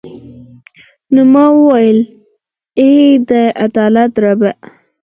نو ما ویل ای د عدالت ربه.